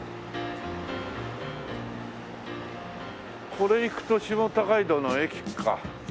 これ行くと下高井戸の駅か。